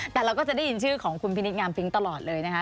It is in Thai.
แต่เราก็จะได้ยินชื่อของคุณพินิษงามฟิ้งตลอดเลยนะคะ